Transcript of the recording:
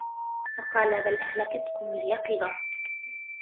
فَقَالَ بَلْ أَهْلَكَتْكُمْ الْيَقِظَةُ